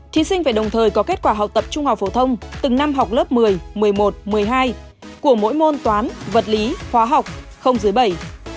thí sinh phải đồng thời có kết quả học tập trung học phổ thông từng năm học lớp một mươi một mươi một một mươi hai của mỗi môn toán vật lý hóa học không dưới bảy